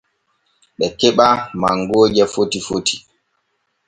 Ɓe keɓa mangooje foti foti.